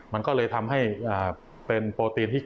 มันก็เลยทำให้เป็นโปรตีนที่